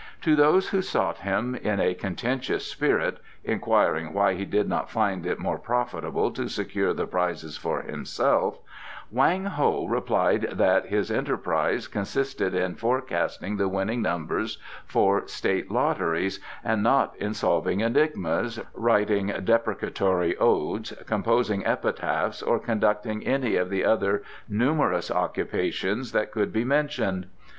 To those who sought him in a contentious spirit, inquiring why he did not find it more profitable to secure the prizes for himself, Wang Ho replied that his enterprise consisted in forecasting the winning numbers for State Lotteries and not in solving enigmas, writing deprecatory odes, composing epitaphs or conducting any of the other numerous occupations that could be mentioned.